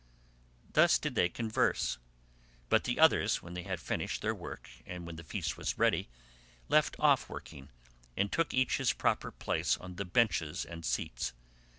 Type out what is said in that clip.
Thus did they converse; but the others, when they had finished their work and the feast was ready, left off working, and took each his proper place on the benches and seats.